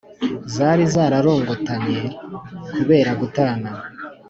zari zararongotanye kubera gutana